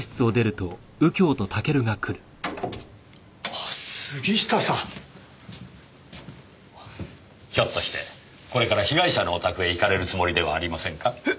あ杉下さん！ひょっとしてこれから被害者のお宅へ行かれるつもりではありませんか？え？